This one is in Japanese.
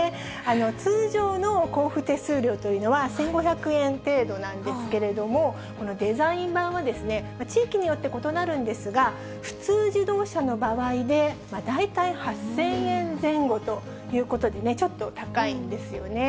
通常の交付手数料というのは１５００円程度なんですけれども、このデザイン版は、地域によって異なるんですが、普通自動車の場合で大体８０００円前後ということでね、ちょっと高いんですよね。